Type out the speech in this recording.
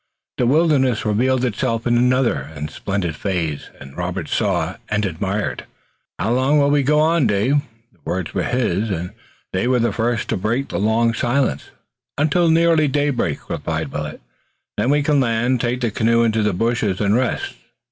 The wilderness revealed itself in another and splendid phase, and Robert saw and admired. "How long will we go on, Dave?" The words were his and they were the first to break the long silence. "Until nearly daylight," replied Willet. "Then we can land, take the canoe into the bushes and rest.